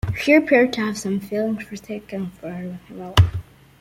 She appeared to have some feelings for Synch, and flirted with him a lot.